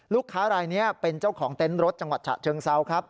ลูกค้ารายนี้เป็นเจ้าของเต็นต์รถจังหวัดฉะเชิงเซาครับ